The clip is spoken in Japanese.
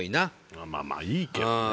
まあまあまあいいけどね。